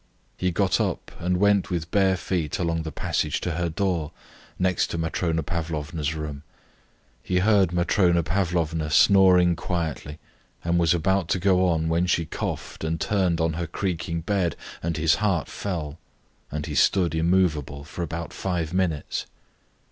He got up and went with bare feet along the passage to her door, next to Matrona Pavlovna's room. He heard Matrona Pavlovna snoring quietly, and was about to go on when she coughed and turned on her creaking bed, and his heart fell, and he stood immovable for about five minutes.